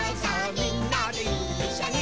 みんなでいっしょに」